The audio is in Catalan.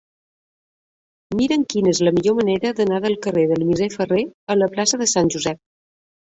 Mira'm quina és la millor manera d'anar del carrer del Misser Ferrer a la plaça de Sant Josep.